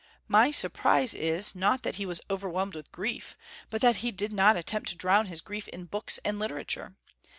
My surprise is, not that he was overwhelmed with grief, but that he did not attempt to drown his grief in books and literature.